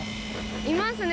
いますね！